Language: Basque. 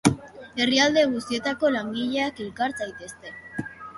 Herrialde guztietako langileak, elkar zaitezte!